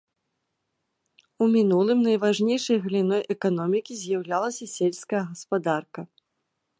У мінулым найважнейшай галіной эканомікі з'яўлялася сельская гаспадарка.